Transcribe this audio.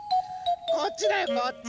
こっちだよこっち。